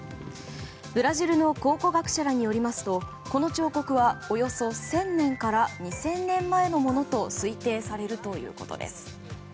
ブラジルの考古学者らによりますと、この彫刻はおよそ１０００年から２０００年前のものと推定されるということです。